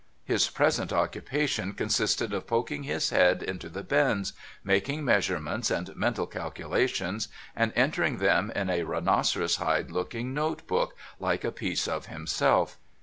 ' His present occupation consisted of poking his head into the bins, making measurements and mental calculations, and entering them in a rhinoceros hide looking note book, like a piece of him self.